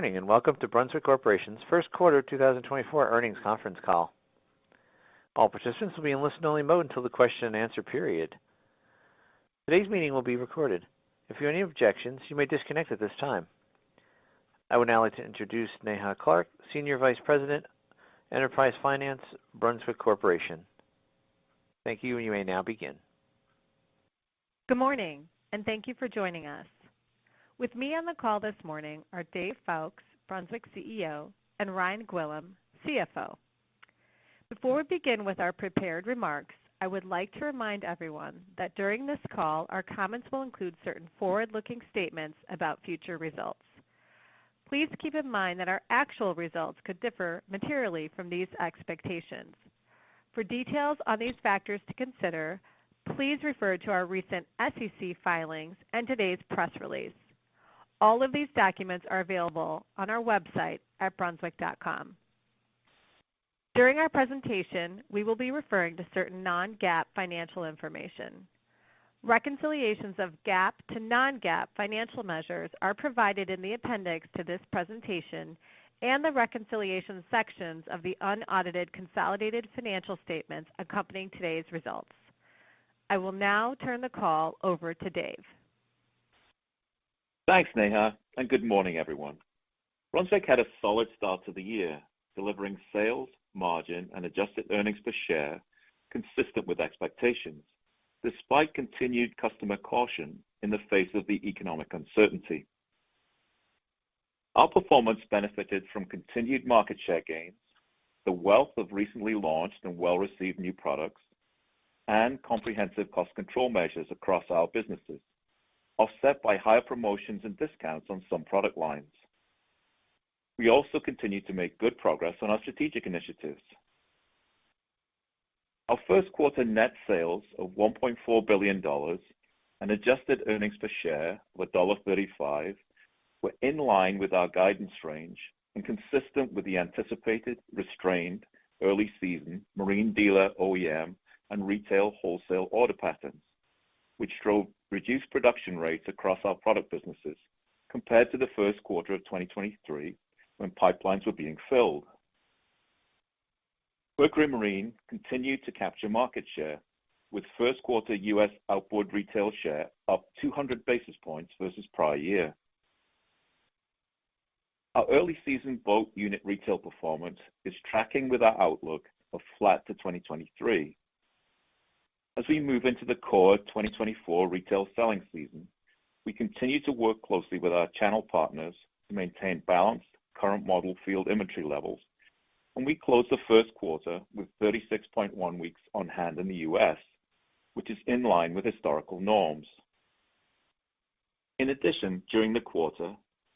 Good morning, and welcome to Brunswick Corporation's first quarter 2024 earnings conference call. All participants will be in listen-only mode until the question and answer period. Today's meeting will be recorded. If you have any objections, you may disconnect at this time. I would now like to introduce Neha Clark, Senior Vice President, Enterprise Finance, Brunswick Corporation. Thank you, and you may now begin. Good morning, and thank you for joining us. With me on the call this morning are Dave Foulkes, Brunswick CEO, and Ryan Gwillim, CFO. Before we begin with our prepared remarks, I would like to remind everyone that during this call, our comments will include certain forward-looking statements about future results. Please keep in mind that our actual results could differ materially from these expectations. For details on these factors to consider, please refer to our recent SEC filings and today's press release. All of these documents are available on our website at brunswick.com. During our presentation, we will be referring to certain Non-GAAP financial information. Reconciliations of GAAP to Non-GAAP financial measures are provided in the appendix to this presentation and the reconciliation sections of the unaudited consolidated financial statements accompanying today's results. I will now turn the call over to Dave. Thanks, Neha, and good morning, everyone. Brunswick had a solid start to the year, delivering sales, margin, and adjusted earnings per share consistent with expectations, despite continued customer caution in the face of the economic uncertainty. Our performance benefited from continued market share gains, the wealth of recently launched and well-received new products, and comprehensive cost control measures across our businesses, offset by higher promotions and discounts on some product lines. We also continued to make good progress on our strategic initiatives. Our first quarter net sales of $1.4 billion and adjusted earnings per share of $0.35 were in line with our guidance range and consistent with the anticipated, restrained early season marine dealer OEM and retail wholesale order patterns, which drove reduced production rates across our product businesses compared to the first quarter of 2023 when pipelines were being filled. Mercury Marine continued to capture market share, with first quarter U.S. outboard retail share up 200 basis points versus prior year. Our early season boat unit retail performance is tracking with our outlook of flat to 2023. As we move into the core 2024 retail selling season, we continue to work closely with our channel partners to maintain balanced current model field inventory levels, and we closed the first quarter with 36.1 weeks on hand in the U.S., which is in line with historical norms. In addition, during the quarter,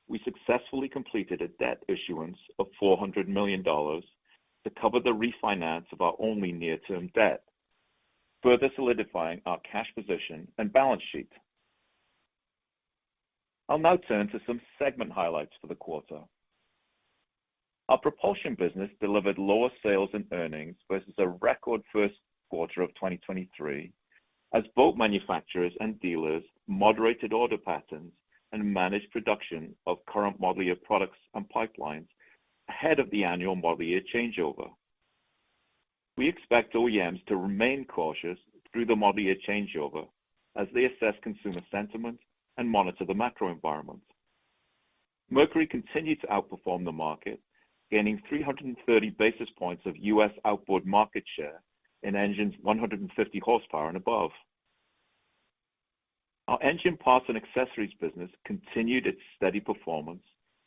we successfully completed a debt issuance of $400 million to cover the refinance of our only near-term debt, further solidifying our cash position and balance sheet. I'll now turn to some segment highlights for the quarter. Our propulsion business delivered lower sales and earnings versus a record first quarter of 2023, as boat manufacturers and dealers moderated order patterns and managed production of current model year products and pipelines ahead of the annual model year changeover. We expect OEMs to remain cautious through the model year changeover as they assess consumer sentiment and monitor the macro environment. Mercury continued to outperform the market, gaining 330 basis points of U.S. outboard market share in engines 150 horsepower and above. Our engine parts and accessories business continued its steady performance,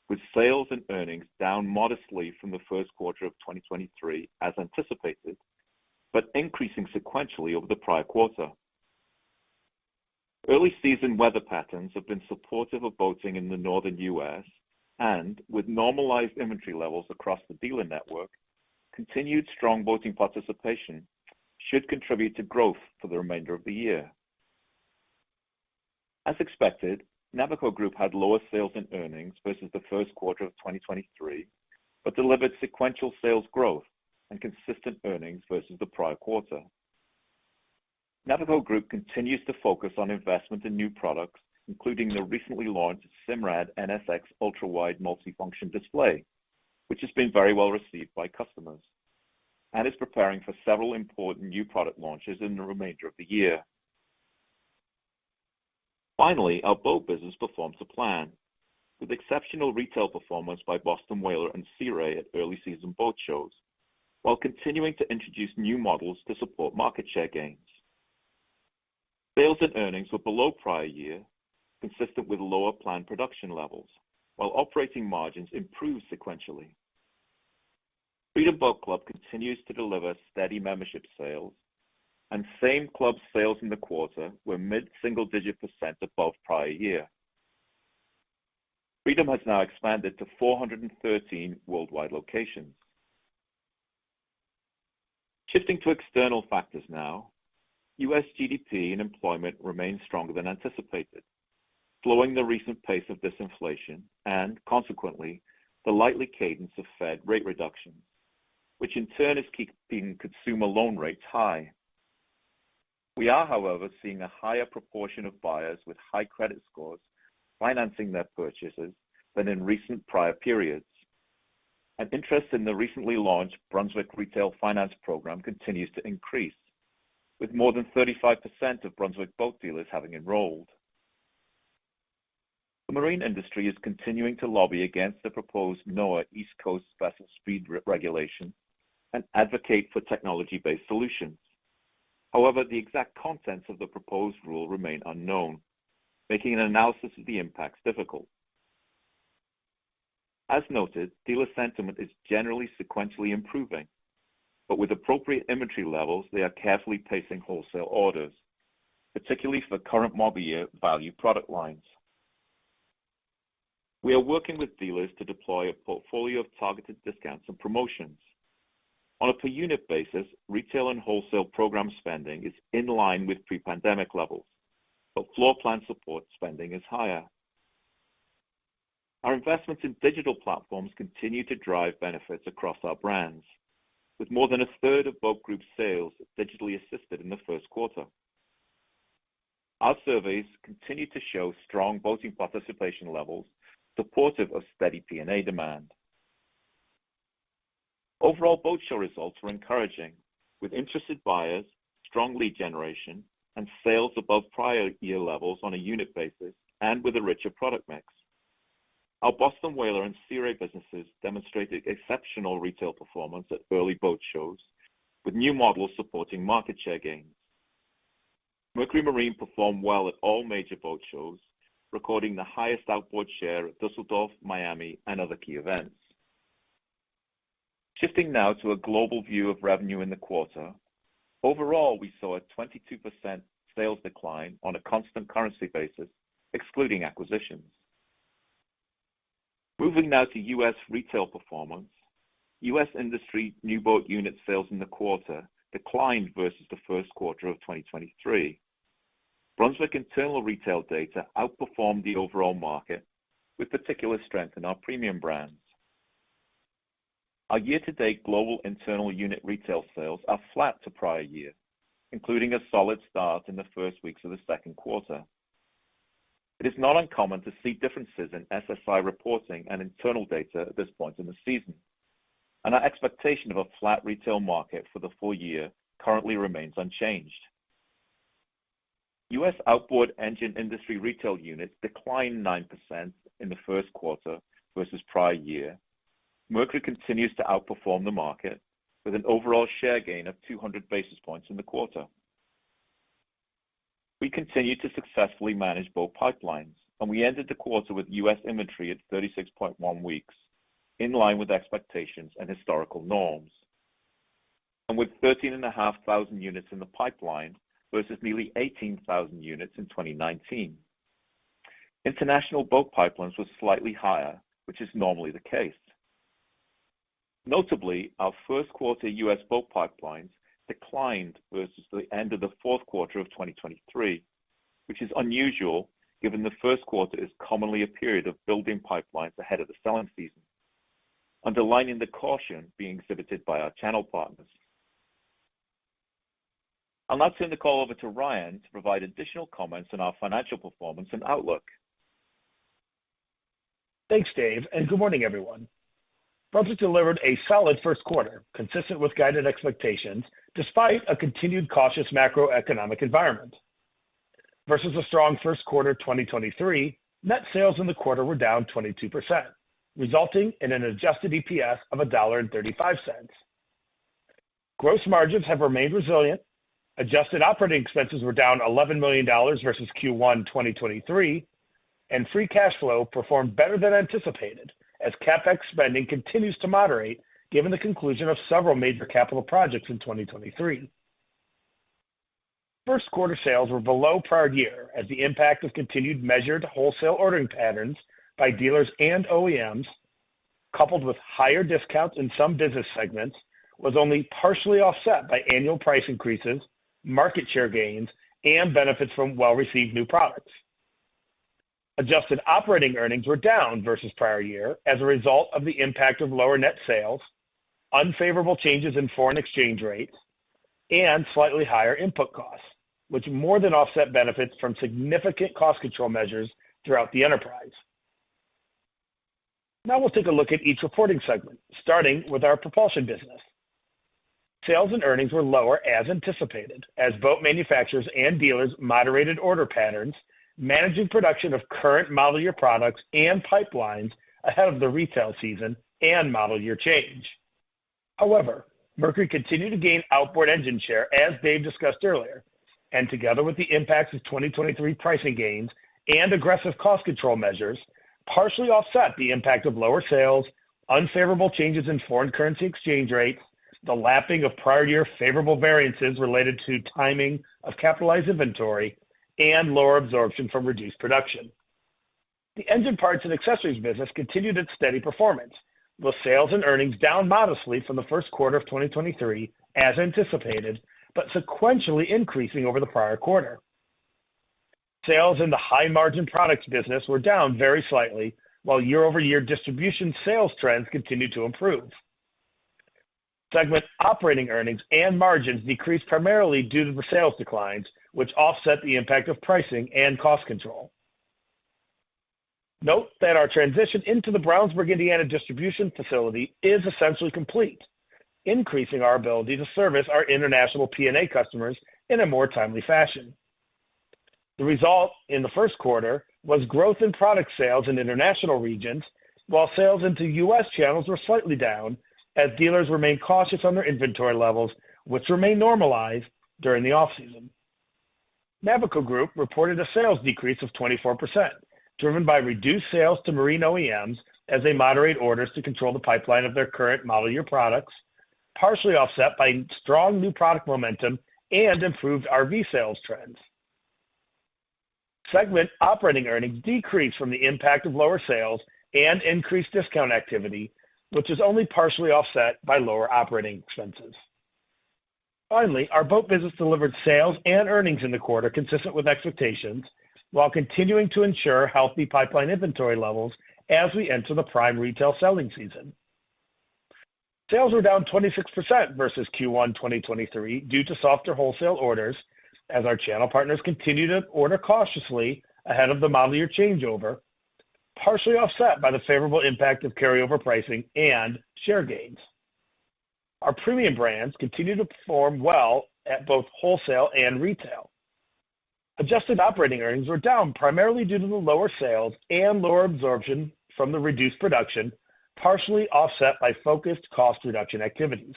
with sales and earnings down modestly from the first quarter of 2023, as anticipated, but increasing sequentially over the prior quarter. Early season weather patterns have been supportive of boating in the Northern U.S., and with normalized inventory levels across the dealer network, continued strong boating participation should contribute to growth for the remainder of the year. As expected, Navico Group had lower sales and earnings versus the first quarter of 2023, but delivered sequential sales growth and consistent earnings versus the prior quarter. Navico Group continues to focus on investment in new products, including the recently launched Simrad NSX ULTRAWIDE multifunction display, which has been very well received by customers and is preparing for several important new product launches in the remainder of the year. Finally, our boat business performs to plan, with exceptional retail performance by Boston Whaler and Sea Ray at early season boat shows, while continuing to introduce new models to support market share gains. Sales and earnings were below prior year, consistent with lower planned production levels, while operating margins improved sequentially. Freedom Boat Club continues to deliver steady membership sales, and same club sales in the quarter were mid-single-digit % above prior year. Freedom has now expanded to 413 worldwide locations. Shifting to external factors now. U.S. GDP and employment remain stronger than anticipated, slowing the recent pace of disinflation and, consequently, the likely cadence of Fed rate reductions, which in turn is keeping consumer loan rates high. We are, however, seeing a higher proportion of buyers with high credit scores financing their purchases than in recent prior periods. Interest in the recently launched Brunswick Retail Finance Program continues to increase, with more than 35% of Brunswick boat dealers having enrolled. The marine industry is continuing to lobby against the proposed NOAA East Coast Vessel speed regulation and advocate for technology-based solutions. However, the exact contents of the proposed rule remain unknown, making an analysis of the impacts difficult. As noted, dealer sentiment is generally sequentially improving, but with appropriate inventory levels, they are carefully pacing wholesale orders, particularly for current model year value product lines. We are working with dealers to deploy a portfolio of targeted discounts and promotions. On a per unit basis, retail and wholesale program spending is in line with pre-pandemic levels, but floor plan support spending is higher. Our investments in digital platforms continue to drive benefits across our brands, with more than a third of Boat Group sales digitally assisted in the first quarter. Our surveys continue to show strong boating participation levels supportive of steady P&A demand. Overall, boat show results were encouraging, with interested buyers, strong lead generation, and sales above prior year levels on a unit basis and with a richer product mix. Our Boston Whaler and Sea Ray businesses demonstrated exceptional retail performance at early boat shows, with new models supporting market share gains. Mercury Marine performed well at all major boat shows, recording the highest outboard share at Düsseldorf, Miami, and other key events. Shifting now to a global view of revenue in the quarter. Overall, we saw a 22% sales decline on a constant currency basis, excluding acquisitions. Moving now to U.S. retail performance. U.S. industry new boat unit sales in the quarter declined versus the first quarter of 2023. Brunswick internal retail data outperformed the overall market, with particular strength in our premium brands. Our year-to-date global internal unit retail sales are flat to prior year, including a solid start in the first weeks of the second quarter. It is not uncommon to see differences in SSI reporting and internal data at this point in the season, and our expectation of a flat retail market for the full year currently remains unchanged. U.S. outboard engine industry retail units declined 9% in the first quarter versus prior year. Mercury continues to outperform the market with an overall share gain of 200 basis points in the quarter. We continue to successfully manage both pipelines, and we ended the quarter with U.S. inventory at 36.1 weeks, in line with expectations and historical norms, and with 13,500 units in the pipeline versus nearly 18,000 units in 2019. International boat pipelines were slightly higher, which is normally the case. Notably, our first quarter U.S. boat pipelines declined versus the end of the fourth quarter of 2023, which is unusual, given the first quarter is commonly a period of building pipelines ahead of the selling season, underlining the caution being exhibited by our channel partners. I'll now turn the call over to Ryan to provide additional comments on our financial performance and outlook. Thanks, Dave, and good morning, everyone. Brunswick delivered a solid first quarter, consistent with guided expectations, despite a continued cautious macroeconomic environment. Versus a strong first quarter 2023, net sales in the quarter were down 22%, resulting in an adjusted EPS of $1.35. Gross margins have remained resilient. Adjusted operating expenses were down $11 million versus Q1 2023, and free cash flow performed better than anticipated, as CapEx spending continues to moderate, given the conclusion of several major capital projects in 2023. First quarter sales were below prior year as the impact of continued measured wholesale ordering patterns by dealers and OEMs, coupled with higher discounts in some business segments, was only partially offset by annual price increases, market share gains, and benefits from well-received new products. Adjusted operating earnings were down versus prior year as a result of the impact of lower net sales, unfavorable changes in foreign exchange rates, and slightly higher input costs, which more than offset benefits from significant cost control measures throughout the enterprise. Now we'll take a look at each reporting segment, starting with our propulsion business. Sales and earnings were lower, as anticipated, as boat manufacturers and dealers moderated order patterns, managing production of current model year products and pipelines ahead of the retail season and model year change. However, Mercury continued to gain outboard engine share, as Dave discussed earlier, and together with the impacts of 2023 pricing gains and aggressive cost control measures, partially offset the impact of lower sales, unfavorable changes in foreign currency exchange rates, the lapping of prior year favorable variances related to timing of capitalized inventory, and lower absorption from reduced production. The engine parts and accessories business continued its steady performance, with sales and earnings down modestly from the first quarter of 2023, as anticipated, but sequentially increasing over the prior quarter. Sales in the high-margin products business were down very slightly, while year-over-year distribution sales trends continued to improve. Segment operating earnings and margins decreased primarily due to the sales declines, which offset the impact of pricing and cost control. Note that our transition into the Brownsburg, Indiana, distribution facility is essentially complete, increasing our ability to service our international P&A customers in a more timely fashion. The result in the first quarter was growth in product sales in international regions, while sales into U.S. channels were slightly down, as dealers remained cautious on their inventory levels, which remained normalized during the off-season. Navico Group reported a sales decrease of 24%, driven by reduced sales to marine OEMs as they moderate orders to control the pipeline of their current model year products, partially offset by strong new product momentum and improved RV sales trends. Segment operating earnings decreased from the impact of lower sales and increased discount activity, which is only partially offset by lower operating expenses. Finally, our boat business delivered sales and earnings in the quarter consistent with expectations, while continuing to ensure healthy pipeline inventory levels as we enter the prime retail selling season. Sales were down 26% versus Q1 2023 due to softer wholesale orders, as our channel partners continued to order cautiously ahead of the model year changeover, partially offset by the favorable impact of carryover pricing and share gains. Our premium brands continued to perform well at both wholesale and retail. Adjusted operating earnings were down primarily due to the lower sales and lower absorption from the reduced production, partially offset by focused cost reduction activities.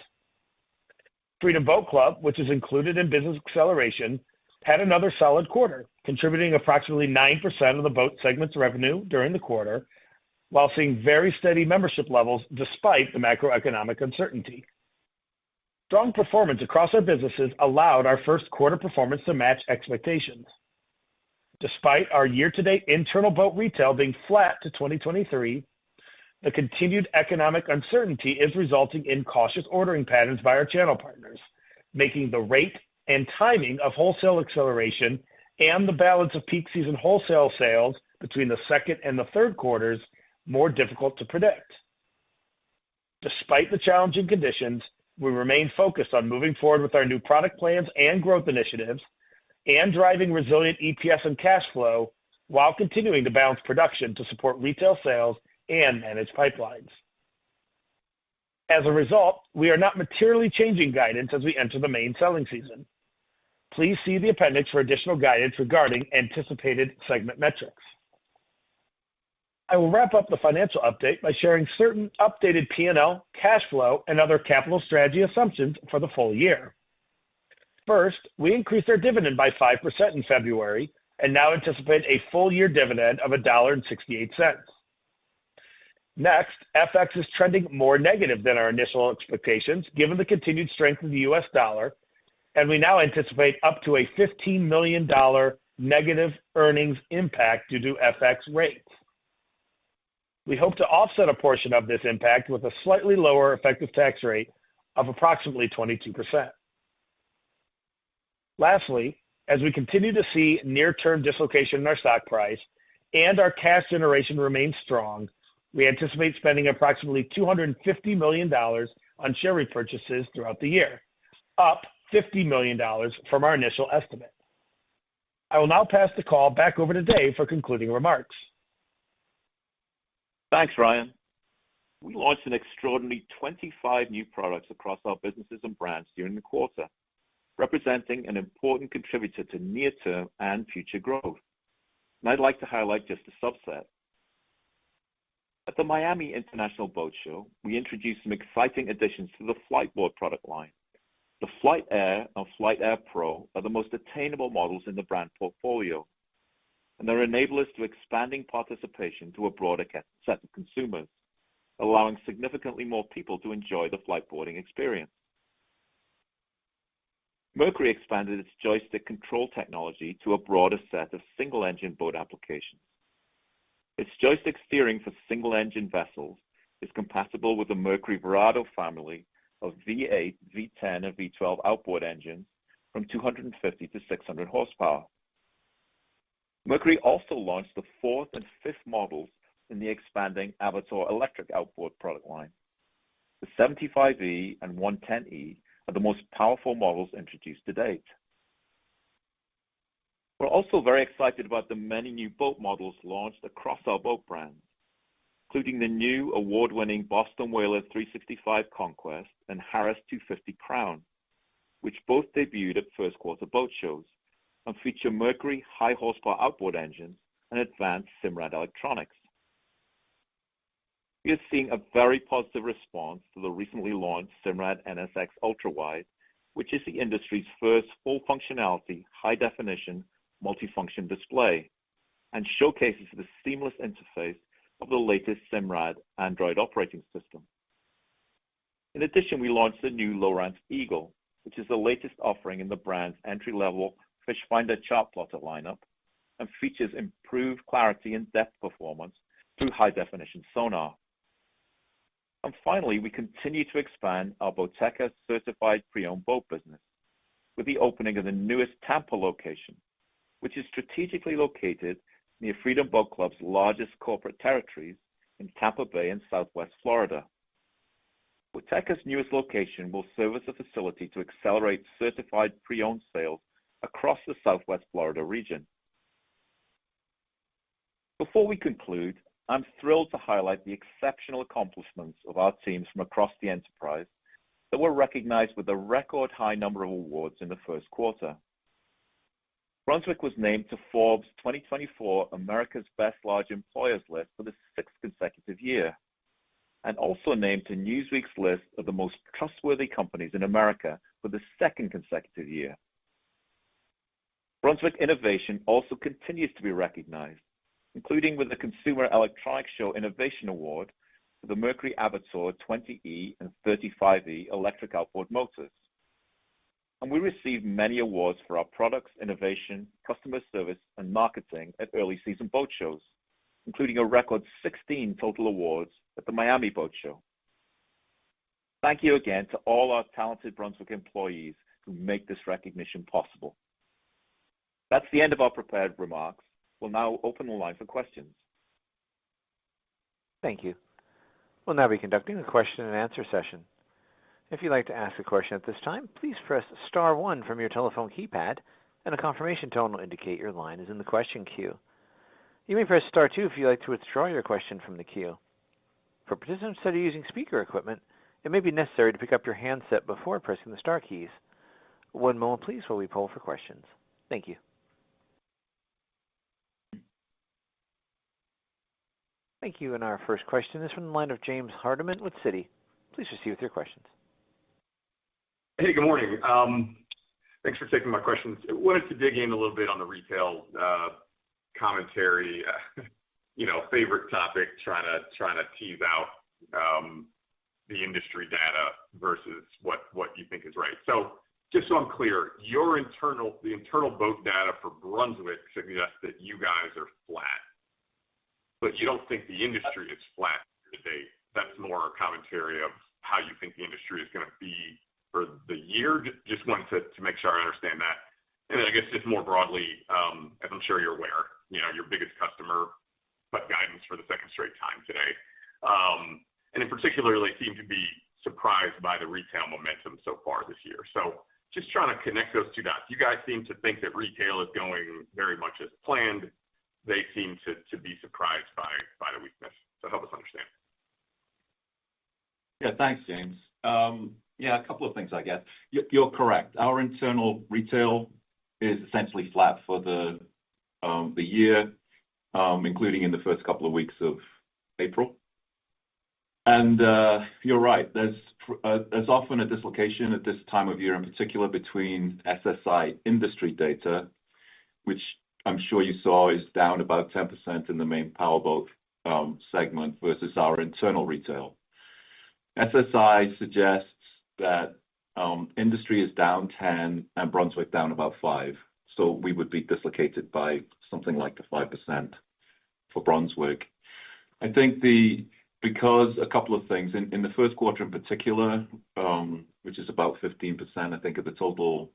Freedom Boat Club, which is included in business acceleration, had another solid quarter, contributing approximately 9% of the boat segment's revenue during the quarter, while seeing very steady membership levels despite the macroeconomic uncertainty. Strong performance across our businesses allowed our first quarter performance to match expectations. Despite our year-to-date internal boat retail being flat to 2023, the continued economic uncertainty is resulting in cautious ordering patterns by our channel partners, making the rate and timing of wholesale acceleration and the balance of peak season wholesale sales between the second and the third quarters more difficult to predict. Despite the challenging conditions, we remain focused on moving forward with our new product plans and growth initiatives and driving resilient EPS and cash flow while continuing to balance production to support retail sales and manage pipelines. As a result, we are not materially changing guidance as we enter the main selling season. Please see the appendix for additional guidance regarding anticipated segment metrics. I will wrap up the financial update by sharing certain updated P&L, cash flow, and other capital strategy assumptions for the full year. First, we increased our dividend by 5% in February and now anticipate a full year dividend of $1.68. Next, FX is trending more negative than our initial expectations, given the continued strength of the US dollar, and we now anticipate up to a $15 million negative earnings impact due to FX rates. We hope to offset a portion of this impact with a slightly lower effective tax rate of approximately 22%. Lastly, as we continue to see near-term dislocation in our stock price and our cash generation remains strong, we anticipate spending approximately $250 million on share repurchases throughout the year, up $50 million from our initial estimate. I will now pass the call back over to Dave for concluding remarks. Thanks, Ryan. We launched an extraordinary 25 new products across our businesses and brands during the quarter, representing an important contributor to near-term and future growth, and I'd like to highlight just a subset. At the Miami International Boat Show, we introduced some exciting additions to the Fliteboard product line. The Flite AIR and Flite AIR PRO are the most attainable models in the brand portfolio, and they enable us to expanding participation to a broader set of consumers, allowing significantly more people to enjoy the Fliteboarding experience. Mercury expanded its joystick control technology to a broader set of single-engine boat applications. Its joystick steering for single-engine vessels is compatible with the Mercury Verado family of V8, V10, and V12 outboard engines from 250 to 600 horsepower. Mercury also launched the fourth and fifth models in the expanding Avator electric outboard product line. The 75e and 110e are the most powerful models introduced to date. We're also very excited about the many new boat models launched across our boat brands, including the new award-winning Boston Whaler 365 Conquest and Harris Crowne 250, which both debuted at first quarter boat shows and feature Mercury high-horsepower outboard engines and advanced Simrad electronics. We are seeing a very positive response to the recently launched Simrad NSX ULTRAWIDE, which is the industry's first full-functionality, high-definition, multifunction display, and showcases the seamless interface of the latest Simrad Android operating system. In addition, we launched the new Lowrance Eagle, which is the latest offering in the brand's entry-level Fishfinder chartplotter lineup and features improved clarity and depth performance through high-definition sonar.... And finally, we continue to expand our Boateka certified pre-owned boat business with the opening of the newest Tampa location, which is strategically located near Freedom Boat Club's largest corporate territories in Tampa Bay and Southwest Florida. Boateka's newest location will serve as a facility to accelerate certified pre-owned sales across the Southwest Florida region. Before we conclude, I'm thrilled to highlight the exceptional accomplishments of our teams from across the enterprise that were recognized with a record high number of awards in the first quarter. Brunswick was named to Forbes 2024 America's Best Large Employers list for the sixth consecutive year, and also named to Newsweek's list of the Most Trustworthy Companies in America for the second consecutive year. Brunswick Innovation also continues to be recognized, including with the Consumer Electronics Show Innovation Award for the Mercury Avator 20e and 35e electric outboard motors. We received many awards for our products, innovation, customer service, and marketing at early season boat shows, including a record 16 total awards at the Miami Boat Show. Thank you again to all our talented Brunswick employees who make this recognition possible. That's the end of our prepared remarks. We'll now open the line for questions. Thank you. We'll now be conducting a question and answer session. If you'd like to ask a question at this time, please press star one from your telephone keypad, and a confirmation tone will indicate your line is in the question queue. You may press star two if you'd like to withdraw your question from the queue. For participants that are using speaker equipment, it may be necessary to pick up your handset before pressing the star keys. One moment please, while we poll for questions. Thank you. Thank you. Our first question is from the line of James Hardiman with Citi. Please proceed with your questions. Hey, good morning. Thanks for taking my questions. I wanted to dig in a little bit on the retail commentary, you know, favorite topic, trying to, trying to tease out the industry data versus what you think is right. So just so I'm clear, your internal boat data for Brunswick suggests that you guys are flat, but you don't think the industry is flat today. That's more a commentary of how you think the industry is gonna be for the year? Just wanted to make sure I understand that. And then I guess just more broadly, as I'm sure you're aware, you know, your biggest customer cut guidance for the second straight time today, and in particular, they seem to be surprised by the retail momentum so far this year. So just trying to connect those two dots. You guys seem to think that retail is going very much as planned. They seem to be surprised by the weakness. So help us understand. Yeah, thanks, James. Yeah, a couple of things, I guess. You're correct. Our internal retail is essentially flat for the year, including in the first couple of weeks of April. And you're right, there's often a dislocation at this time of year, in particular between SSI industry data, which I'm sure you saw is down about 10% in the main powerboat segment versus our internal retail. SSI suggests that industry is down 10 and Brunswick down about 5, so we would be dislocated by something like the 5% for Brunswick. I think because a couple of things. In the first quarter in particular, which is about 15%, I think of the total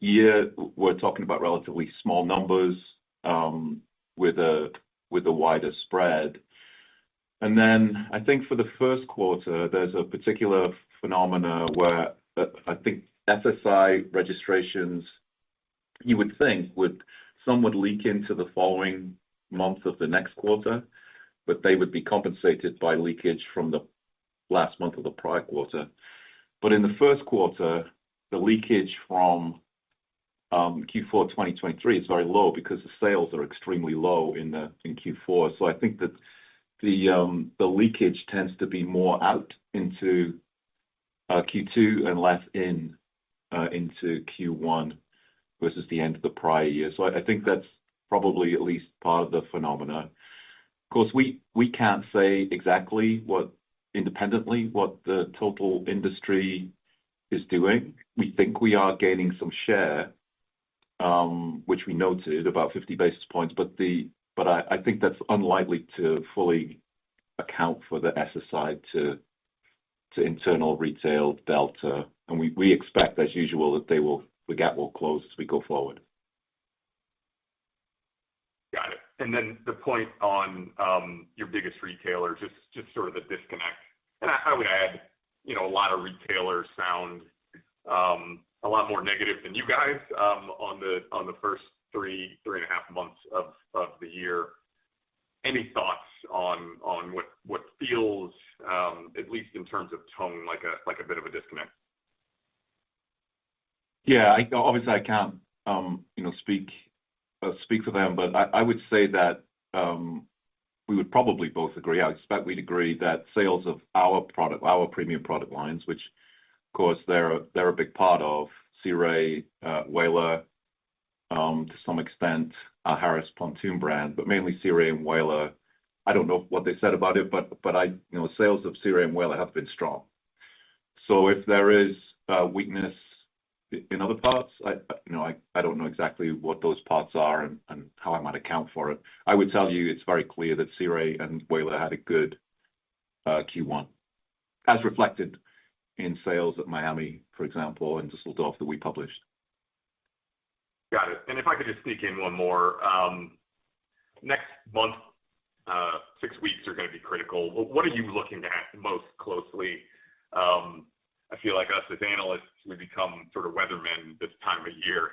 year, we're talking about relatively small numbers with a wider spread. And then I think for the first quarter, there's a particular phenomena where I think SSI registrations, you would think would somewhat leak into the following months of the next quarter, but they would be compensated by leakage from the last month of the prior quarter. But in the first quarter, the leakage from Q4 of 2023 is very low because the sales are extremely low in Q4. So I think that the leakage tends to be more out into Q2 and less into Q1, versus the end of the prior year. So I think that's probably at least part of the phenomena. Of course, we can't say exactly what independently, what the total industry is doing. We think we are gaining some share, which we noted about 50 basis points. But I think that's unlikely to fully account for the SSI to internal retail delta, and we expect, as usual, that the gap will close as we go forward. Got it. Then the point on your biggest retailer, just sort of the disconnect. I would add, you know, a lot of retailers sound a lot more negative than you guys on the first three and a half months of the year. Any thoughts on what feels at least in terms of tone like a bit of a disconnect? Yeah, obviously I can't, you know, speak for them, but I would say that we would probably both agree. I expect we'd agree that sales of our product, our premium product lines, which of course they're a big part of Sea Ray, Whaler, to some extent our Harris Pontoon brand, but mainly Sea Ray and Whaler. I don't know what they said about it, but, you know, sales of Sea Ray and Whaler have been strong. So if there is a weakness in other parts, I, you know, I don't know exactly what those parts are and how I might account for it. I would tell you, it's very clear that Sea Ray and Bayliner had a good Q1, as reflected in sales at Miami, for example, and Düsseldorf that we published. Got it. And if I could just sneak in one more. Next month, six weeks are gonna be critical. What, what are you looking at most closely? I feel like us, as analysts, we become sort of weathermen this time of year.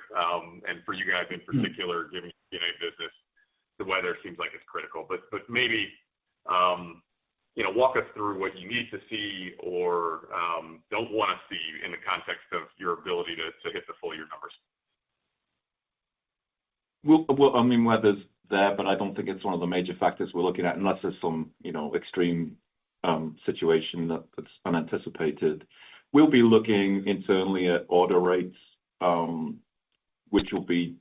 And for you guys in particular, given P&A business, the weather seems like it's critical. But, but maybe, you know, walk us through what you need to see or, don't wanna see in the context of your ability to, to hit the full year numbers. Well, well, I mean, weather's there, but I don't think it's one of the major factors we're looking at, unless there's some, you know, extreme situation that's unanticipated. We'll be looking internally at order rates, which will be,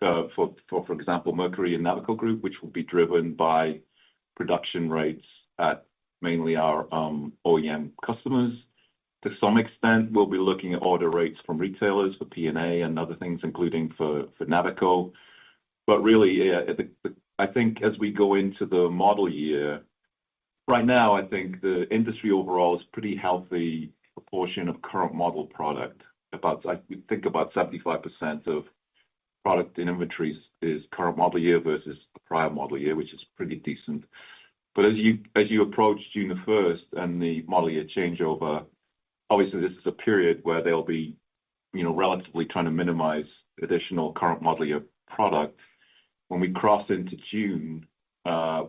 for, for example, Mercury and Navico Group, which will be driven by production rates at mainly our OEM customers. To some extent, we'll be looking at order rates from retailers for P&A and other things, including for Navico. But really, yeah, the- I think as we go into the model year, right now, I think the industry overall is pretty healthy proportion of current model product. About, I think about 75% of product in inventories is current model year versus the prior model year, which is pretty decent. But as you approach June the 1st and the model year changeover, obviously, this is a period where they'll be, you know, relatively trying to minimize additional current model year product. When we cross into June,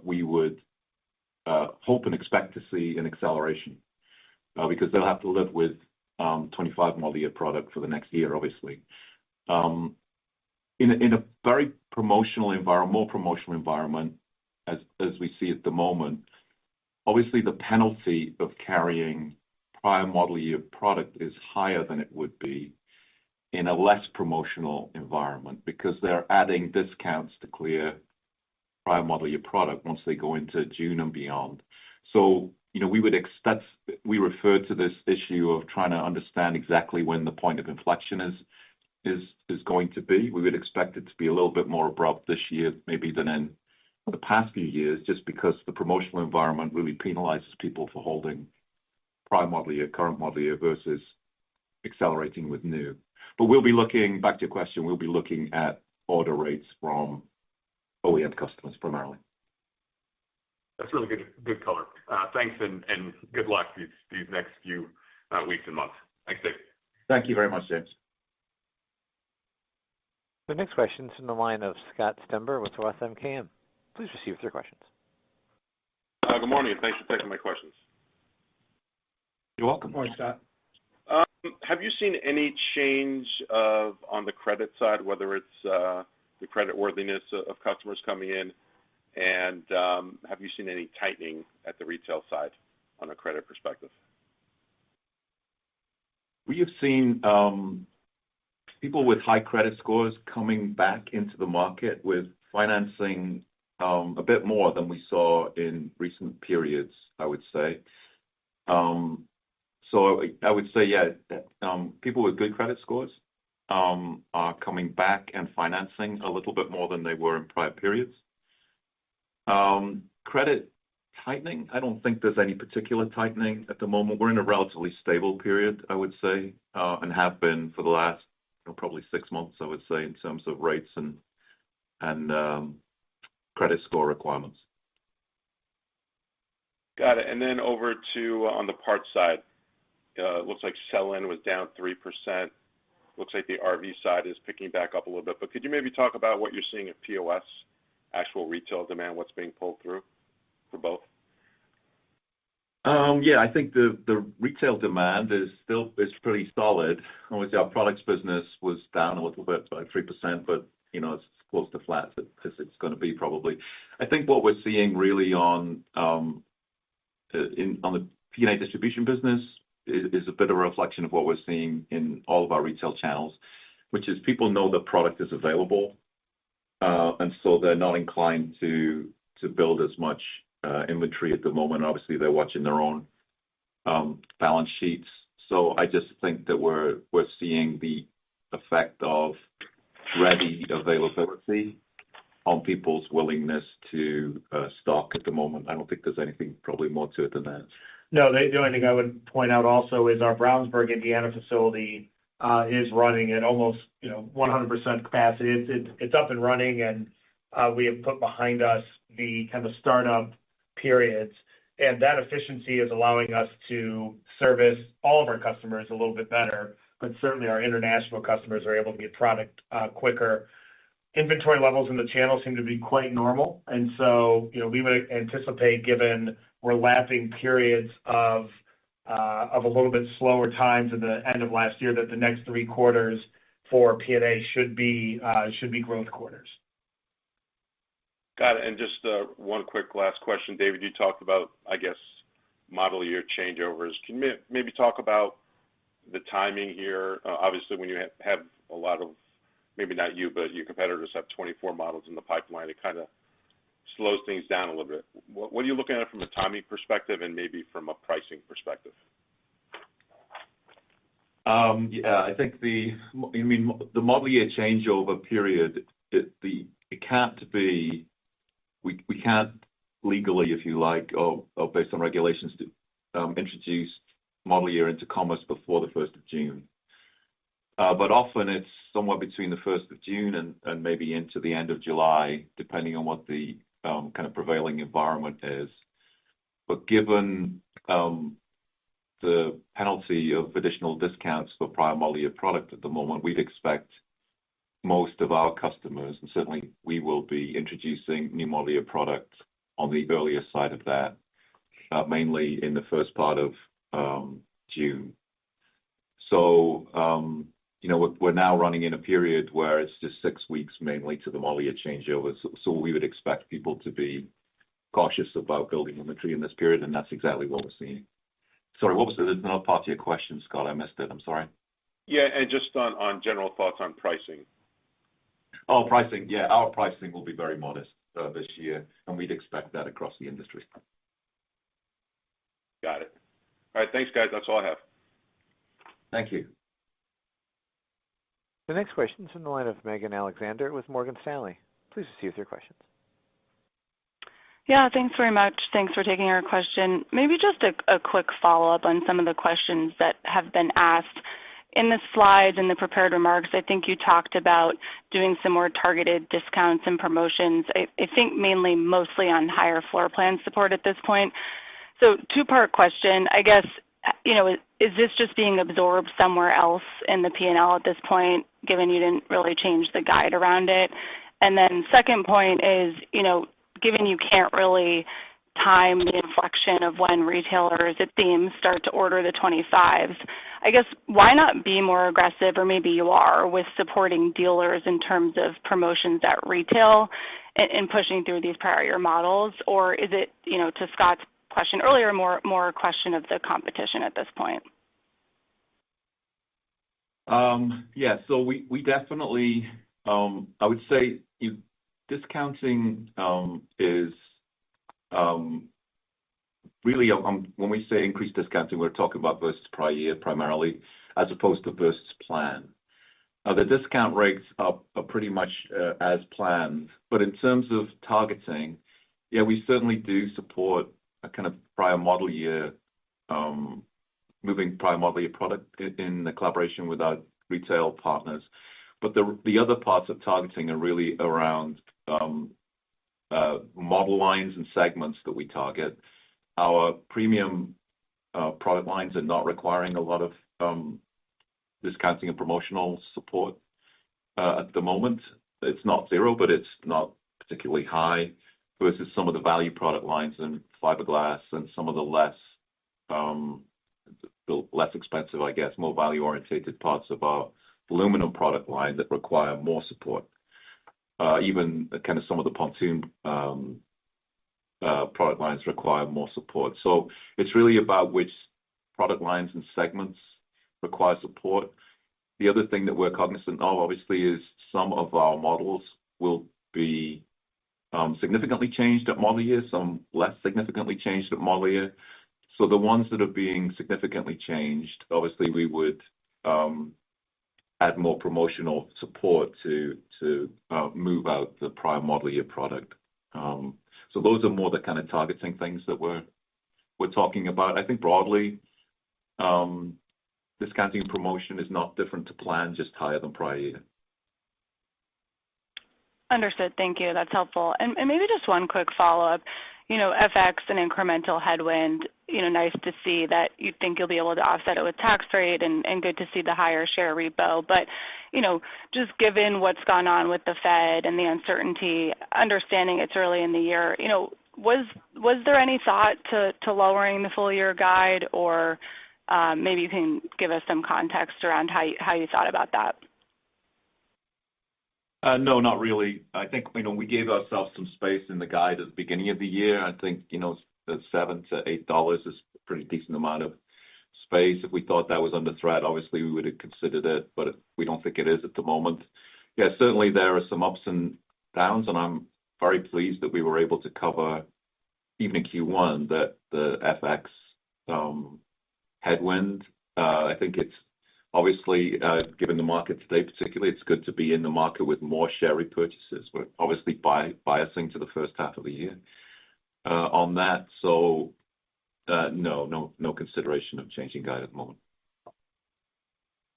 we would hope and expect to see an acceleration, because they'll have to live with 25 model year product for the next year, obviously. In a very promotional environment, more promotional environment, as we see at the moment, obviously, the penalty of carrying prior model year product is higher than it would be in a less promotional environment because they're adding discounts to clear prior model year product once they go into June and beyond. So, you know, we would expect. We refer to this issue of trying to understand exactly when the point of inflection is going to be. We would expect it to be a little bit more abrupt this year, maybe than in the past few years, just because the promotional environment really penalizes people for holding prior model year, current model year versus accelerating with new. But we'll be looking back to your question, we'll be looking at order rates from OEM customers, primarily. That's really good, good color. Thanks, and good luck these next few weeks and months. Thanks, Dave. Thank you very much, James. The next question is from the line of Scott Stember with Roth MKM. Please proceed with your question. Good morning, and thanks for taking my questions. You're welcome. Morning, Scott. Have you seen any change of, on the credit side, whether it's, the creditworthiness of customers coming in? And, have you seen any tightening at the retail side on a credit perspective? We have seen people with high credit scores coming back into the market with financing a bit more than we saw in recent periods, I would say. So I would say, yeah, people with good credit scores are coming back and financing a little bit more than they were in prior periods. Credit tightening, I don't think there's any particular tightening at the moment. We're in a relatively stable period, I would say, and have been for the last, you know, probably six months, I would say, in terms of rates and credit score requirements. Got it. And then over to on the parts side, it looks like sell-in was down 3%. Looks like the RV side is picking back up a little bit, but could you maybe talk about what you're seeing at POS, actual retail demand, what's being pulled through for both? Yeah, I think the retail demand is still pretty solid. Obviously, our products business was down a little bit by 3%, but, you know, it's as close to flat as it's gonna be, probably. I think what we're seeing really on the P&A distribution business is a bit of a reflection of what we're seeing in all of our retail channels, which is people know the product is available, and so they're not inclined to build as much inventory at the moment. Obviously, they're watching their own balance sheets. So I just think that we're seeing the effect of ready availability on people's willingness to stock at the moment. I don't think there's anything probably more to it than that. No, the only thing I would point out also is our Brownsburg, Indiana, facility, is running at almost, you know, 100% capacity. It's, it's up and running, and, we have put behind us the kind of start-up periods, and that efficiency is allowing us to service all of our customers a little bit better, but certainly, our international customers are able to get product, quicker. Inventory levels in the channel seem to be quite normal, and so, you know, we would anticipate, given we're lapping periods of, of a little bit slower times at the end of last year, that the next three quarters for P&A should be, should be growth quarters. Got it. And just, one quick last question. David, you talked about, I guess, model year changeovers. Can you maybe talk about the timing here? Obviously, when you have a lot of, maybe not you, but your competitors have 24 models in the pipeline, it kind of slows things down a little bit. What are you looking at from a timing perspective and maybe from a pricing perspective? Yeah, I think, I mean, the model year changeover period, it can't be, we can't legally, if you like, or based on regulations, to introduce model year into commerce before the first of June. But often it's somewhere between the first of June and maybe into the end of July, depending on what the kind of prevailing environment is. But given the penalty of additional discounts for prior model year product at the moment, we'd expect most of our customers, and certainly we will be introducing new model year products on the earlier side of that, mainly in the first part of June. So, you know, we're now running in a period where it's just six weeks, mainly to the model year changeover. So, so we would expect people to be cautious about building inventory in this period, and that's exactly what we're seeing. Sorry, what was the other part of your question, Scott? I missed it. I'm sorry. Yeah, and just on, on general thoughts on pricing. Oh, pricing. Yeah. Our pricing will be very modest this year, and we'd expect that across the industry. Got it. All right. Thanks, guys. That's all I have. Thank you. The next question is from the line of Megan Alexander with Morgan Stanley. Please proceed with your questions. Yeah, thanks very much. Thanks for taking our question. Maybe just a quick follow-up on some of the questions that have been asked. In the slides, in the prepared remarks, I think you talked about doing some more targeted discounts and promotions, I think mainly mostly on higher floor plan support at this point. So two-part question: I guess, you know, is this just being absorbed somewhere else in the P&L at this point, given you didn't really change the guide around it? And then second point is, you know, given you can't really time the inflection of when retailers at theme start to order the 25s, I guess, why not be more aggressive, or maybe you are, with supporting dealers in terms of promotions at retail and pushing through these prior year models? Or is it, you know, to Scott's question earlier, more a question of the competition at this point? Yeah. So we, we definitely... I would say, if discounting is really when we say increased discounting, we're talking about versus prior year, primarily, as opposed to versus plan. The discount rates are, are pretty much as planned, but in terms of targeting, yeah, we certainly do support a kind of prior model year, moving prior model year product in the collaboration with our retail partners. But the, the other parts of targeting are really around model lines and segments that we target. Our premium product lines are not requiring a lot of discounting and promotional support at the moment. It's not zero, but it's not particularly high versus some of the value product lines in fiberglass and some of the less, the less expensive, I guess, more value-orientated parts of our aluminum product line that require more support. Even kind of some of the pontoon product lines require more support. So it's really about which product lines and segments require support. The other thing that we're cognizant of, obviously, is some of our models will be significantly changed at model year, some less significantly changed at model year. So the ones that are being significantly changed, obviously, we would add more promotional support to move out the prior model year product. So those are more the kind of targeting things that we're talking about. I think broadly, discounting promotion is not different to plan, just higher than prior year. Understood. Thank you. That's helpful. And maybe just one quick follow-up. You know, FX and incremental headwind, you know, nice to see that you think you'll be able to offset it with tax rate, and good to see the higher share repo. But you know, just given what's gone on with the Fed and the uncertainty, understanding it's early in the year, you know, was there any thought to lowering the full year guide, or maybe you can give us some context around how you thought about that? No, not really. I think, you know, we gave ourselves some space in the guide at the beginning of the year. I think, you know, the $7-$8 is a pretty decent amount of space. If we thought that was under threat, obviously, we would have considered it, but we don't think it is at the moment. Yeah, certainly, there are some ups and downs, and I'm very pleased that we were able to cover even in Q1 the FX headwind. I think it's obviously, given the market today particularly, it's good to be in the market with more share repurchases. We're obviously buyback-biasing to the first half of the year on that, so no, no, no consideration of changing guide at the moment.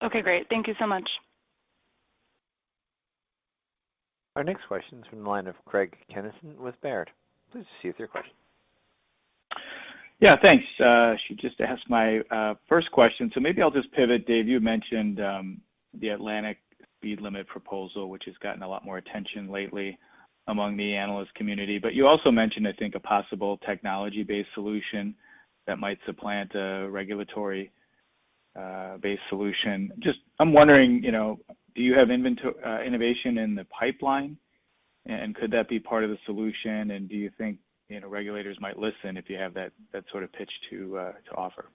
Okay, great. Thank you so much. Our next question is from the line of Craig Kennison with Baird. Please proceed with your question. Yeah, thanks. She just asked my first question, so maybe I'll just pivot. Dave, you mentioned the Atlantic speed limit proposal, which has gotten a lot more attention lately among the analyst community, but you also mentioned, I think, a possible technology-based solution that might supplant a regulatory based solution. Just, I'm wondering, you know, do you have innovation in the pipeline, and could that be part of the solution? And do you think, you know, regulators might listen if you have that, that sort of pitch to offer?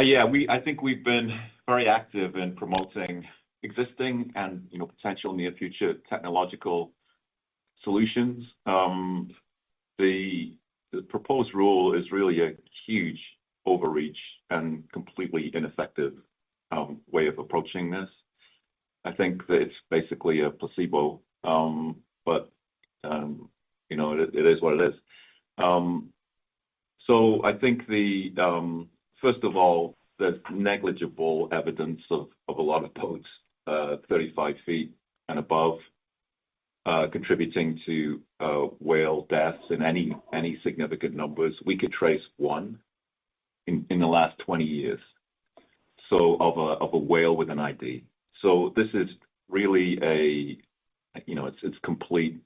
Yeah, we, I think we've been very active in promoting existing and, you know, potential near future technological solutions. The proposed rule is really a huge overreach and completely ineffective way of approaching this. I think that it's basically a placebo, but you know, it is what it is. So I think, first of all, there's negligible evidence of a lot of boats 35 feet and above contributing to whale deaths in any significant numbers. We could trace one in the last 20 years, so of a whale with an ID. So this is really a, you know, it's complete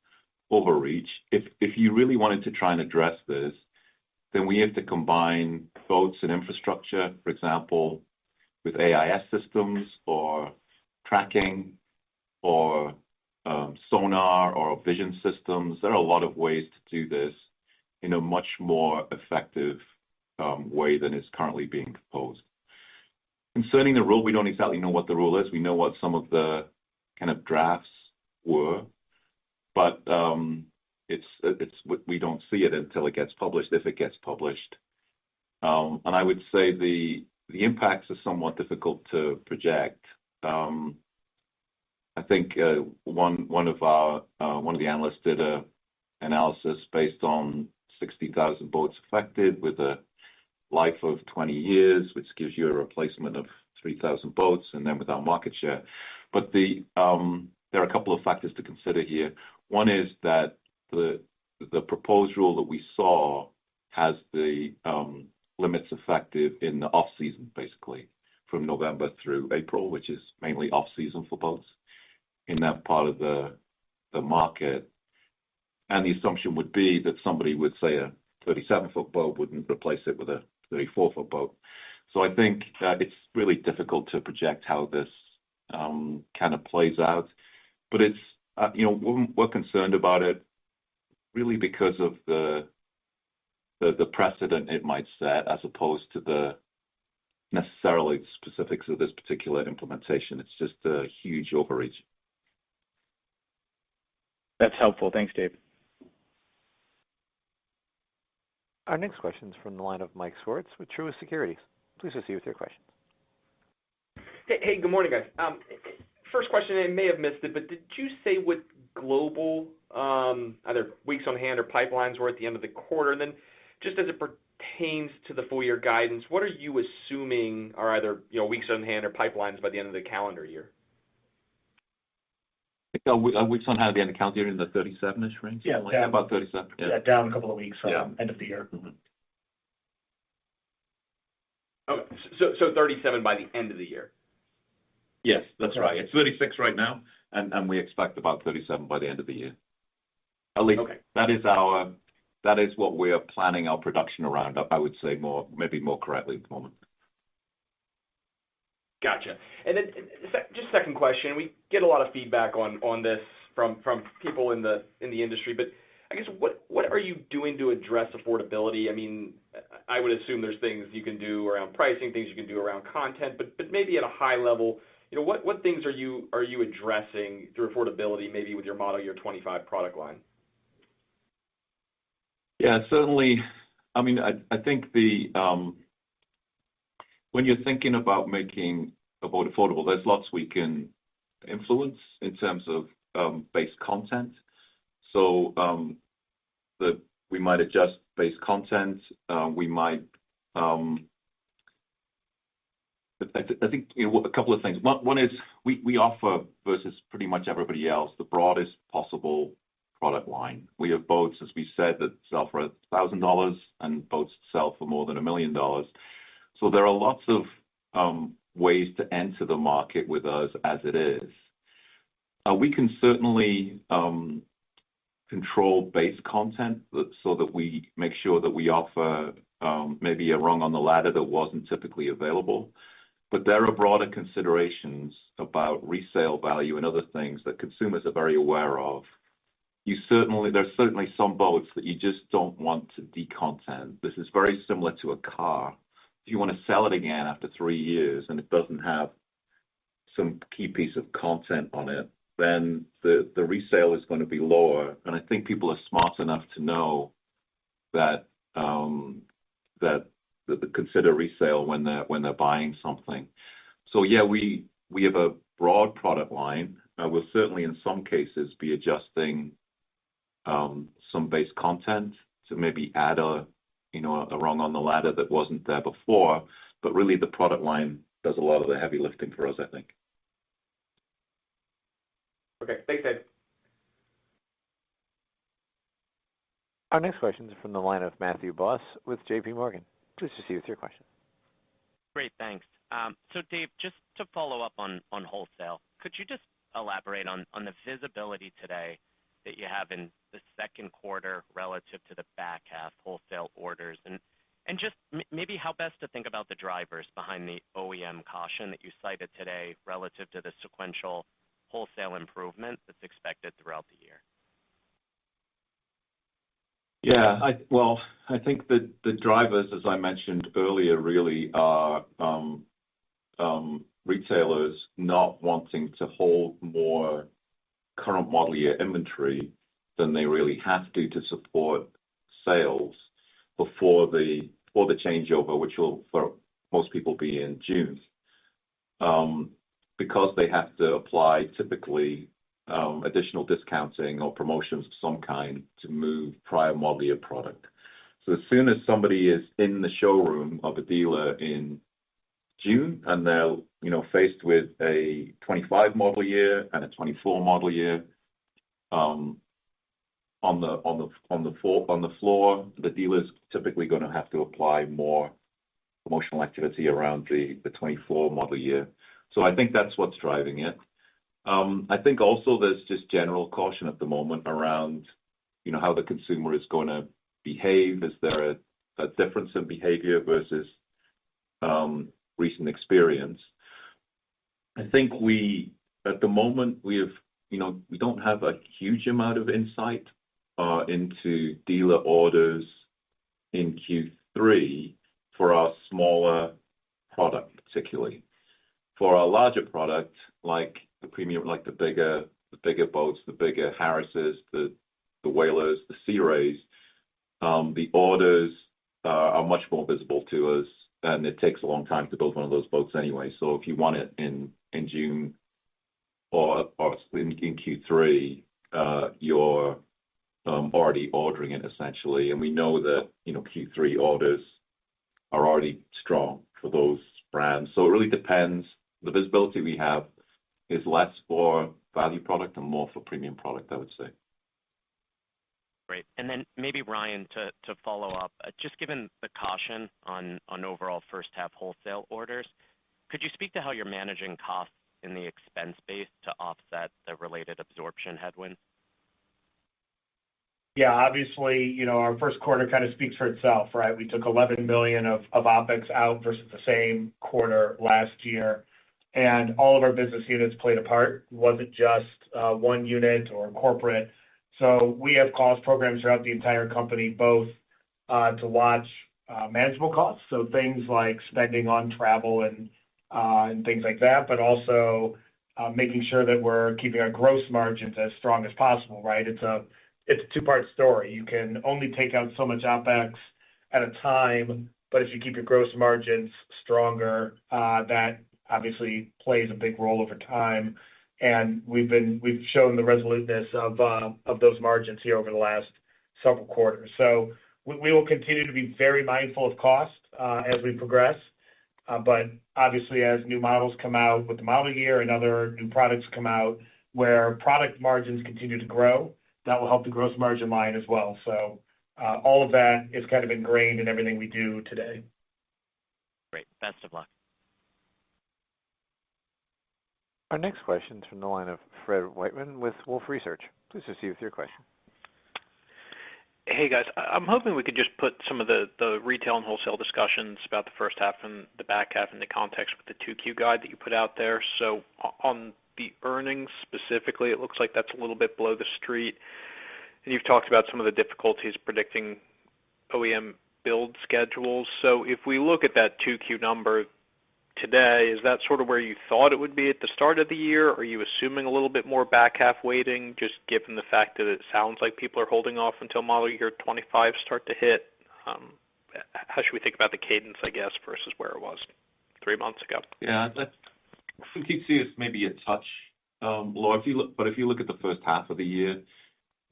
overreach. If, if you really wanted to try and address this, then we have to combine boats and infrastructure, for example, with AIS systems or tracking or, sonar or vision systems. There are a lot of ways to do this in a much more effective, way than is currently being proposed. Concerning the rule, we don't exactly know what the rule is. We know what some of the kind of drafts were, but, it's we don't see it until it gets published, if it gets published. And I would say the impacts are somewhat difficult to project. I think one of our analysts did an analysis based on 60,000 boats affected with a life of 20 years, which gives you a replacement of 3,000 boats, and then with our market share. But there are a couple of factors to consider here. One is that the proposed rule that we saw has the limits effective in the off-season, basically from November through April, which is mainly off-season for boats in that part of the market. And the assumption would be that somebody would say a 37-foot boat wouldn't replace it with a 34-foot boat. So I think it's really difficult to project how this kind of plays out. But it's, you know, we're concerned about it really because of the precedent it might set, as opposed to the necessary specifics of this particular implementation. It's just a huge overreach. That's helpful. Thanks, Dave. Our next question is from the line of Mike Swartz with Truist Securities. Please proceed with your questions. Hey, hey, good morning, guys. First question, I may have missed it, but did you say what global, either weeks on hand or pipelines were at the end of the quarter? And then, just as it pertains to the full year guidance, what are you assuming are either, you know, weeks on hand or pipelines by the end of the calendar year? I think we weeks on hand at the end of calendar year in the 37-ish range. Yeah. About 37, yeah. Yeah, down a couple of weeks- Yeah End of the year. Mm-hmm. Oh, so, so 37 by the end of the year? Yes, that's right. It's 36 right now, and we expect about 37 by the end of the year. Okay. At least that is what we are planning our production around, I would say more, maybe more correctly at the moment. Gotcha. And then just second question, we get a lot of feedback on this from people in the industry, but I guess, what are you doing to address affordability? I mean, I would assume there's things you can do around pricing, things you can do around content, but maybe at a high level, you know, what things are you addressing through affordability, maybe with your model year 25 product line? Yeah, certainly. I mean, I think when you're thinking about making a boat affordable, there's lots we can influence in terms of base content. So, we might adjust base content. I think, you know, a couple of things. One is we offer, versus pretty much everybody else, the broadest possible product line. We have boats, as we said, that sell for $1,000, and boats sell for more than $1 million. So there are lots of ways to enter the market with us as it is. We can certainly control base content so that we make sure that we offer maybe a rung on the ladder that wasn't typically available. But there are broader considerations about resale value and other things that consumers are very aware of. You certainly. There are certainly some boats that you just don't want to decontent. This is very similar to a car. If you want to sell it again after three years and it doesn't have some key piece of content on it, then the resale is going to be lower. And I think people are smart enough to know that to consider resale when they're buying something. So yeah, we have a broad product line. We'll certainly, in some cases, be adjusting some base content to maybe add a, you know, a rung on the ladder that wasn't there before. But really, the product line does a lot of the heavy lifting for us, I think. Okay. Thanks, Dave. Our next question is from the line of Matthew Boss with J.P. Morgan. Please just proceed with your question. Great, thanks. So Dave, just to follow up on wholesale, could you just elaborate on the visibility today that you have in the second quarter relative to the back half wholesale orders? And just maybe how best to think about the drivers behind the OEM caution that you cited today relative to the sequential wholesale improvement that's expected throughout the year? Yeah, well, I think the drivers, as I mentioned earlier, really are retailers not wanting to hold more current model year inventory than they really have to to support sales before the changeover, which will, for most people, be in June, because they have to apply typically additional discounting or promotions of some kind to move prior model year product. So as soon as somebody is in the showroom of a dealer in June, and they're, you know, faced with a 2025 model year and a 2024 model year, on the floor, the dealer's typically gonna have to apply more promotional activity around the 2024 model year. So I think that's what's driving it. I think also there's just general caution at the moment around, you know, how the consumer is gonna behave. Is there a difference in behavior versus recent experience? I think at the moment, we have, you know, we don't have a huge amount of insight into dealer orders in Q3 for our smaller product, particularly. For our larger product, like the premium, like the bigger, the bigger boats, the bigger Harris's, the Whalers, the Sea Rays, the orders are much more visible to us, and it takes a long time to build one of those boats anyway. So if you want it in June or in Q3, you're already ordering it, essentially, and we know that, you know, Q3 orders are already strong for those brands. So it really depends. The visibility we have is less for value product and more for premium product, I would say. Great. And then maybe, Ryan, to follow up, just given the caution on overall first half wholesale orders, could you speak to how you're managing costs in the expense base to offset the related absorption headwind? Yeah, obviously, you know, our first quarter kind of speaks for itself, right? We took $11 billion of OpEx out versus the same quarter last year, and all of our business units played a part. It wasn't just one unit or corporate. So we have cost programs throughout the entire company, both to watch manageable costs, so things like spending on travel and things like that, but also making sure that we're keeping our gross margins as strong as possible, right? It's a two-part story. You can only take out so much OpEx at a time, but if you keep your gross margins stronger, that obviously plays a big role over time, and we've shown the resoluteness of those margins here over the last several quarters. So we will continue to be very mindful of cost as we progress. But obviously, as new models come out with the model year and other new products come out, where product margins continue to grow, that will help the gross margin line as well. So all of that is kind of ingrained in everything we do today. Great. Best of luck. Our next question is from the line of Fred Wightman with Wolfe Research. Please proceed with your question. Hey, guys. I'm hoping we could just put some of the retail and wholesale discussions about the first half and the back half in the context with the 2Q guide that you put out there. So on the earnings, specifically, it looks like that's a little bit below the street, and you've talked about some of the difficulties predicting OEM build schedules. So if we look at that 2Q number today, is that sort of where you thought it would be at the start of the year, or are you assuming a little bit more back-half weighting, just given the fact that it sounds like people are holding off until model year 25 start to hit? How should we think about the cadence, I guess, versus where it was three months ago? Yeah, that's Q2 is maybe a touch low. But if you look at the first half of the year,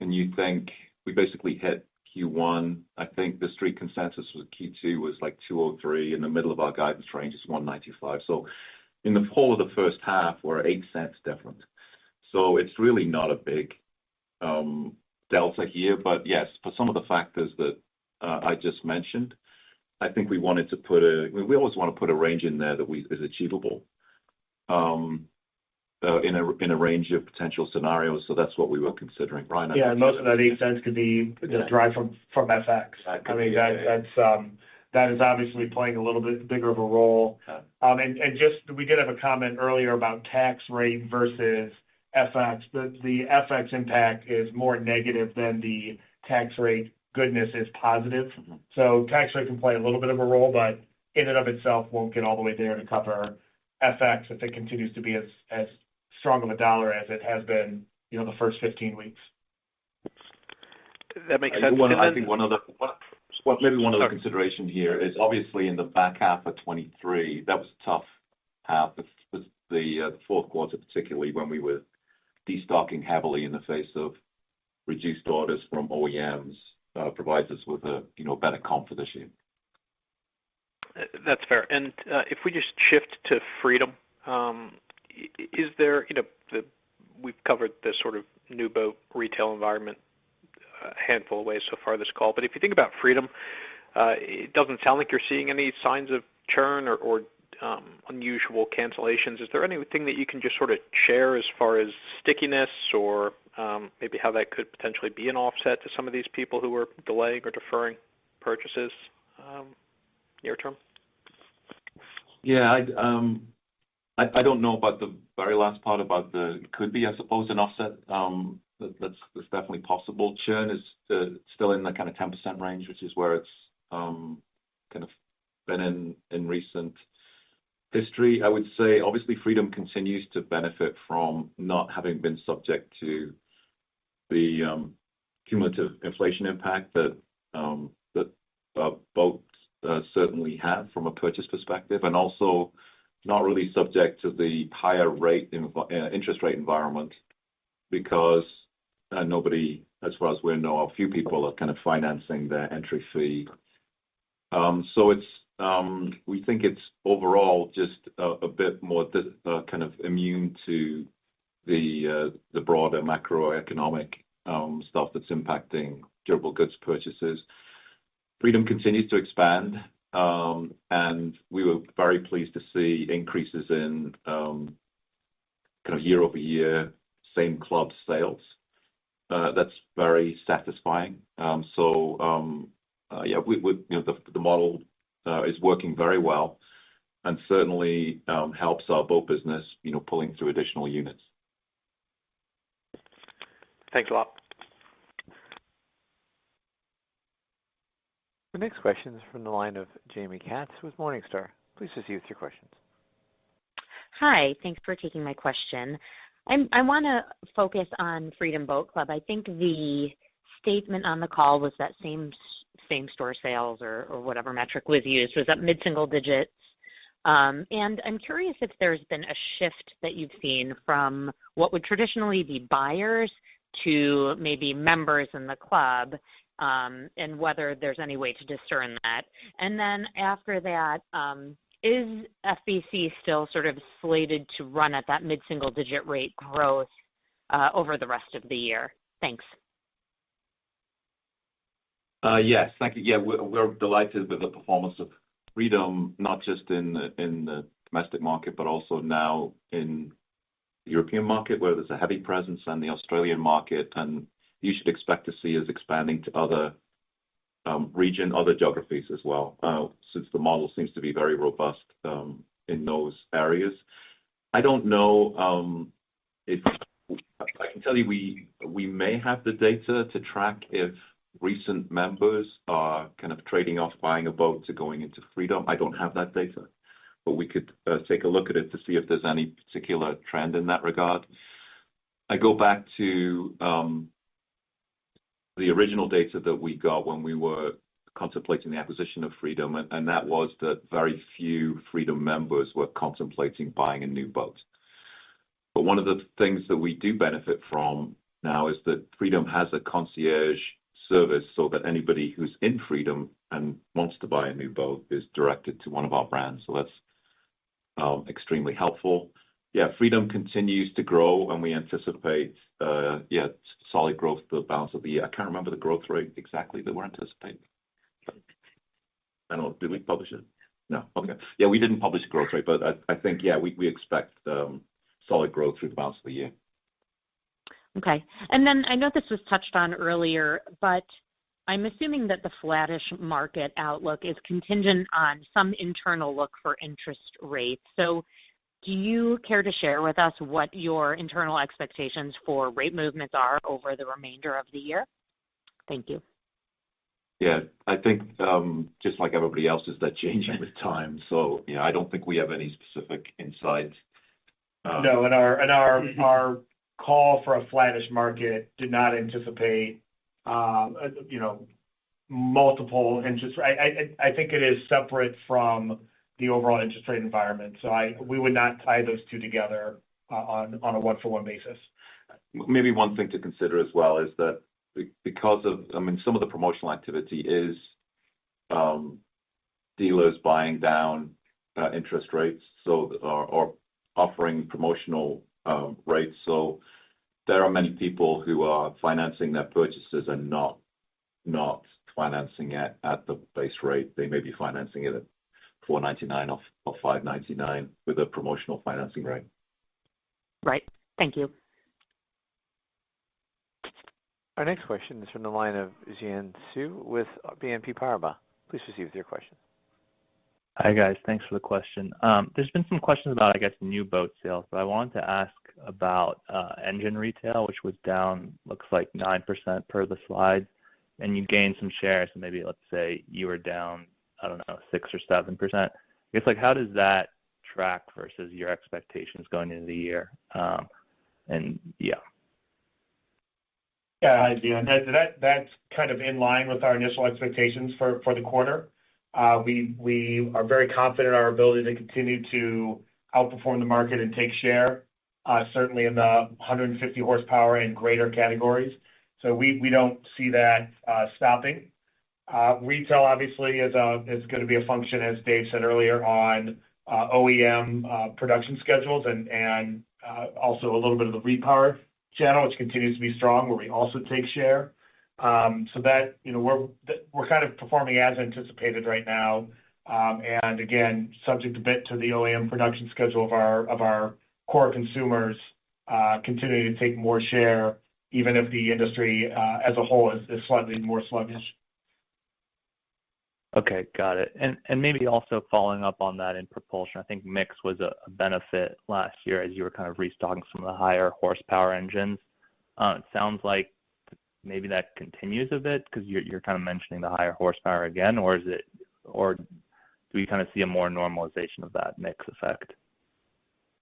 and you think we basically hit Q1, I think the street consensus with Q2 was, like, $2 or $3, and the middle of our guidance range is $1.95. So in the whole of the first half, we're $0.08 different. So it's really not a big delta here. But yes, for some of the factors that I just mentioned, I think we wanted to put a... We always want to put a range in there that is achievable in a range of potential scenarios. So that's what we were considering. Ryan? Yeah. Most of that $0.08 could be derived from FX. That could be, yeah. I mean, that's. That is obviously playing a little bit bigger of a role. Yeah. And just, we did have a comment earlier about tax rate versus FX. The FX impact is more negative than the tax rate. Goodness is positive. Mm-hmm. So tax rate can play a little bit of a role, but in and of itself, won't get all the way there to cover FX, if it continues to be as strong a dollar as it has been, you know, the first 15 weeks. That makes sense. I think one other consideration here is, obviously, in the back half of 2023, that was a tough half. The fourth quarter, particularly when we were destocking heavily in the face of reduced orders from OEMs, provides us with a, you know, better confidence here. That's fair. And, if we just shift to Freedom, is there you know, we've covered the sort of new boat retail environment a handful of ways so far this call, but if you think about Freedom, it doesn't sound like you're seeing any signs of churn or unusual cancellations. Is there anything that you can just sort of share as far as stickiness or maybe how that could potentially be an offset to some of these people who are delaying or deferring purchases, near term? Yeah, I don't know about the very last part about the could be, I suppose, an offset. That's definitely possible. Churn is still in the kind of 10% range, which is where it's kind of been in recent history. I would say, obviously, Freedom continues to benefit from not having been subject to the cumulative inflation impact that that boats certainly have from a purchase perspective, and also not really subject to the higher rate environment, interest rate environment, because, nobody, as far as we know, a few people are kind of financing their entry fee. So, we think it's overall just a bit more kind of immune to the broader macroeconomic stuff that's impacting durable goods purchases. Freedom continues to expand, and we were very pleased to see increases in kind of year-over-year same club sales. That's very satisfying. So, yeah, we, you know, the model is working very well and certainly helps our boat business, you know, pulling through additional units. Thanks a lot. The next question is from the line of Jamie Katz with Morningstar. Please proceed with your questions. Hi, thanks for taking my question. I want to focus on Freedom Boat Club. I think the statement on the call was that same-store sales, or whatever metric was used, was up mid-single digits. And I'm curious if there's been a shift that you've seen from what would traditionally be buyers to maybe members in the club, and whether there's any way to discern that. And then, after that, is FBC still sort of slated to run at that mid-single-digit rate growth over the rest of the year? Thanks. Yes. Thank you. Yeah, we're, we're delighted with the performance of Freedom, not just in the, in the domestic market, but also now in the European market, where there's a heavy presence in the Australian market. And you should expect to see us expanding to other, region, other geographies as well, since the model seems to be very robust in those areas. I don't know if I can tell you, we, we may have the data to track if recent members are kind of trading off buying a boat to going into Freedom. I don't have that data, but we could take a look at it to see if there's any particular trend in that regard. I go back to the original data that we got when we were contemplating the acquisition of Freedom, and that was that very few Freedom members were contemplating buying a new boat. But one of the things that we do benefit from now is that Freedom has a concierge service so that anybody who's in Freedom and wants to buy a new boat is directed to one of our brands. So that's extremely helpful. Yeah, Freedom continues to grow, and we anticipate yeah, solid growth for the balance of the year. I can't remember the growth rate exactly that we're anticipating, but I don't know. Did we publish it? No. Okay. Yeah, we didn't publish the growth rate, but I, I think, yeah, we, we expect solid growth through the balance of the year. Okay. And then, I know this was touched on earlier, but I'm assuming that the flattish market outlook is contingent on some internal look for interest rates. So do you care to share with us what your internal expectations for rate movements are over the remainder of the year? Thank you. Yeah. I think, just like everybody else, they're changing with time. So yeah, I don't think we have any specific insights. No, and our call for a flattish market did not anticipate, you know, multiple interest... I think it is separate from the overall interest rate environment, so we would not tie those two together, on a one-for-one basis. Maybe one thing to consider as well is that because of... I mean, some of the promotional activity is dealers buying down interest rates, or offering promotional rates. So there are many people who are financing their purchases and not financing it at the base rate. They may be financing it at 4.99% or 5.99% with a promotional financing rate. Right. Thank you. Our next question is from the line of Xian Siew with BNP Paribas. Please proceed with your question. Hi, guys. Thanks for the question. There's been some questions about, I guess, new boat sales, but I wanted to ask about engine retail, which was down, looks like 9% per the slide. You gained some shares, so maybe let's say you were down, I don't know, 6% or 7%. I guess, like, how does that track versus your expectations going into the year? Yeah. Yeah, I do. That's kind of in line with our initial expectations for the quarter. We are very confident in our ability to continue to outperform the market and take share, certainly in the 150 horsepower and greater categories. So we don't see that stopping. Retail obviously is gonna be a function, as Dave said earlier, on OEM production schedules and also a little bit of the repower channel, which continues to be strong, where we also take share. So that, you know, we're kind of performing as anticipated right now, and again, subject a bit to the OEM production schedule of our core consumers, continuing to take more share, even if the industry as a whole is slightly more sluggish. Okay, got it. And maybe also following up on that in propulsion, I think mix was a benefit last year as you were kind of restocking some of the higher horsepower engines. It sounds like maybe that continues a bit because you're kind of mentioning the higher horsepower again, or is it, or do we kind of see a more normalization of that mix effect?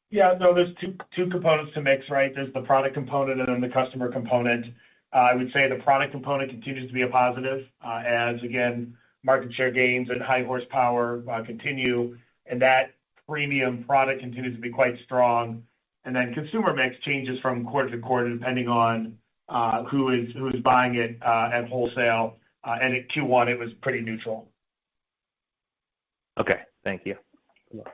Yeah, no, there's 2, 2 components to mix, right? There's the product component and then the customer component. I would say the product component continues to be a positive, as again, market share gains and high horsepower continue, and that premium product continues to be quite strong. And then consumer mix changes from quarter to quarter, depending on who is, who is buying it at wholesale. And at Q1, it was pretty neutral. Okay. Thank you. You're welcome.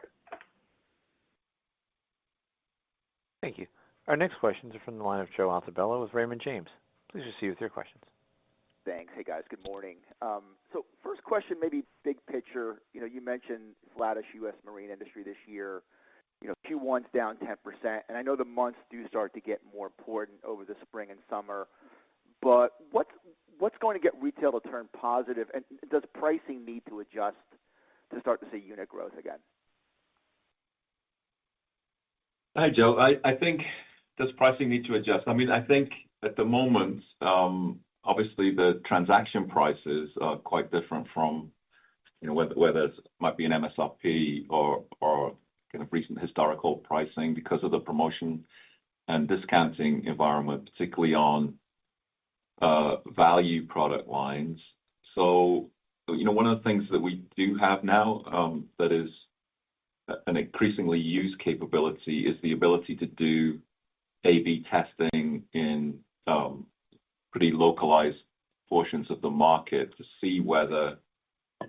Thank you. Our next question is from the line of Joe Altobello with Raymond James. Please proceed with your questions. Thanks. Hey, guys. Good morning. So first question, maybe big picture. You know, you mentioned flattish U.S. marine industry this year. You know, Q1's down 10%, and I know the months do start to get more important over the spring and summer, but what's going to get retail to turn positive? And does pricing need to adjust to start to see unit growth again? Hi, Joe. I think, does pricing need to adjust? I mean, I think at the moment, obviously, the transaction prices are quite different from, you know, whether it might be an MSRP or kind of recent historical pricing because of the promotion and discounting environment, particularly on value product lines. So, you know, one of the things that we do have now, that is an increasingly used capability, is the ability to do A/B testing in pretty localized portions of the market to see whether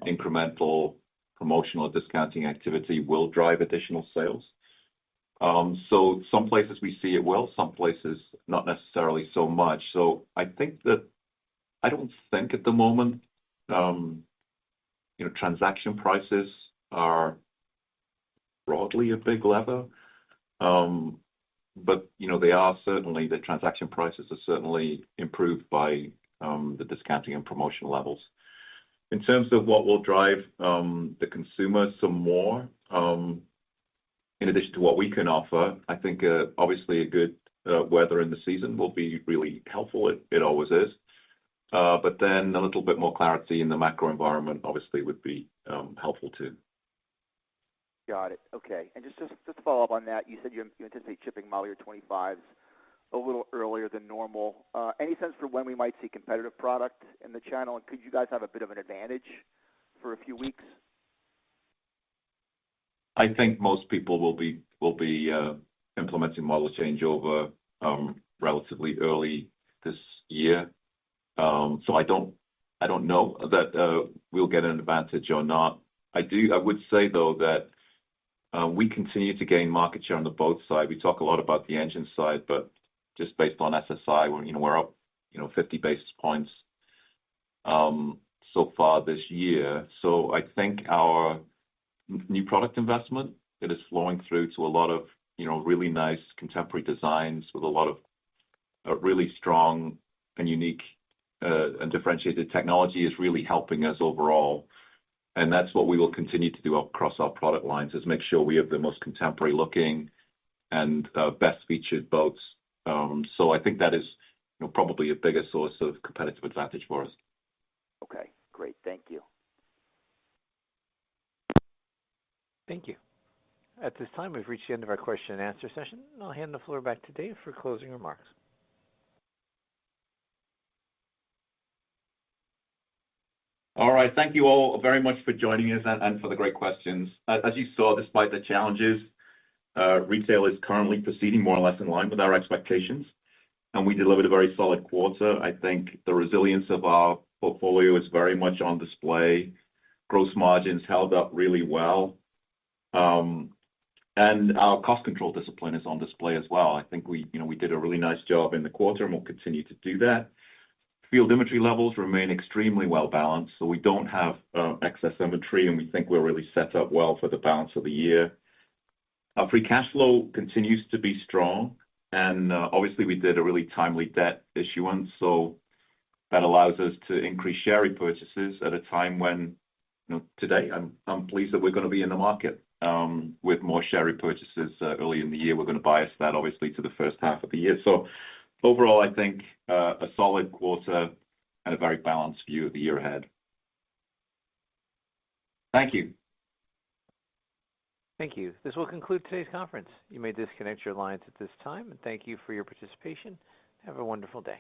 incremental promotional discounting activity will drive additional sales. So some places we see it well, some places, not necessarily so much. So I think that. I don't think at the moment, you know, transaction prices are broadly a big lever. But, you know, they are certainly, the transaction prices are certainly improved by the discounting and promotional levels. In terms of what will drive the consumer some more, in addition to what we can offer, I think, obviously, a good weather in the season will be really helpful. It always is. But then a little bit more clarity in the macro environment, obviously, would be helpful too. Got it. Okay. And just to follow up on that, you anticipate shipping model year 25s a little earlier than normal. Any sense for when we might see competitive product in the channel? And could you guys have a bit of an advantage for a few weeks? I think most people will be implementing model changeover relatively early this year. So I don't know that we'll get an advantage or not. I would say, though, that we continue to gain market share on the boat side. We talk a lot about the engine side, but just based on SSI, you know, we're up, you know, 50 basis points so far this year. So I think our new product investment is flowing through to a lot of, you know, really nice contemporary designs with a lot of really strong and unique and differentiated technology, which is really helping us overall, and that's what we will continue to do across our product lines, is make sure we have the most contemporary looking and best featured boats. I think that is, you know, probably a bigger source of competitive advantage for us. Okay, great. Thank you. Thank you. At this time, we've reached the end of our question and answer session. I'll hand the floor back to Dave for closing remarks. All right. Thank you all very much for joining us, and for the great questions. As you saw, despite the challenges, retail is currently proceeding more or less in line with our expectations, and we delivered a very solid quarter. I think the resilience of our portfolio is very much on display. Gross margins held up really well, and our cost control discipline is on display as well. I think we, you know, we did a really nice job in the quarter, and we'll continue to do that. Field inventory levels remain extremely well balanced, so we don't have excess inventory, and we think we're really set up well for the balance of the year. Our free cash flow continues to be strong, and obviously, we did a really timely debt issuance, so that allows us to increase share repurchases at a time when... You know, today, I'm pleased that we're going to be in the market with more share repurchases early in the year. We're going to bias that, obviously, to the first half of the year. So overall, I think a solid quarter and a very balanced view of the year ahead. Thank you. Thank you. This will conclude today's conference. You may disconnect your lines at this time. Thank you for your participation. Have a wonderful day.